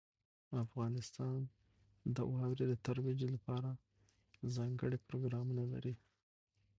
افغانستان د واورې د ترویج لپاره ځانګړي پروګرامونه لري.